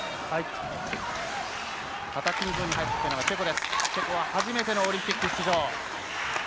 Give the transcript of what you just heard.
チェコは初めてのオリンピック出場。